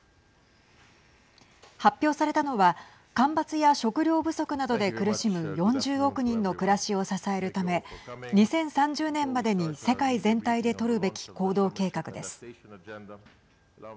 発表されたのは干ばつや食料不足などで苦しむ４０億人の暮らしを支えるため２０３０年までに世界全体で取るべき行動計画です。